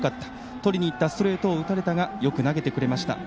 取りに行ったストレートを打たれたがよく投げてくれました。